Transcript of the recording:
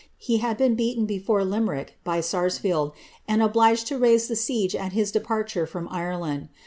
He had been beaten before Limerick by Sarsfield, and obliged to raise the siege at his depar ture from Ireland.